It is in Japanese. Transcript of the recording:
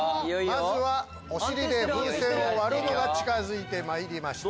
まずはお尻で風船を割るのが近づいてまいりました。